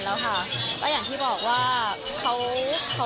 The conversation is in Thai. ด้วยลุคของเขานะเขาก็